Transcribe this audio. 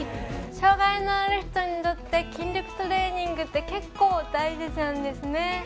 障がいのある人にとって筋力トレーニングって結構、大切なんですね。